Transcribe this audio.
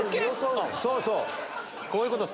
そうそう。